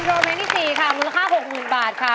โทรเพลงที่๔ค่ะมูลค่า๖๐๐๐บาทค่ะ